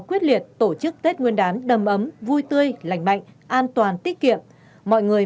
quyết liệt tổ chức tết nguyên đán đầm ấm vui tươi lành mạnh an toàn tiết kiệm mọi người